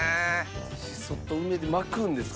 シソと梅で巻くんですか？